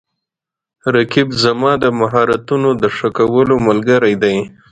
رقیب زما د مهارتونو د ښه کولو ملګری دی